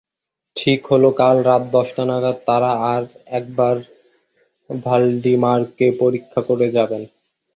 ঠিক হল কাল রাত দশটা নাগাদ তারা আর একবার ভ্যালডিমারকে পরীক্ষা করে যাবেন।